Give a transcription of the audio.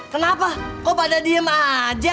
kenapa kok pada diem aja